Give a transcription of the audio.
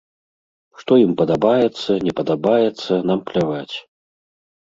Што ім падабаецца, не падабаецца, нам пляваць.